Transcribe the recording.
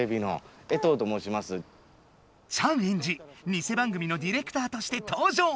チャンエンジニセ番組のディレクターとして登場。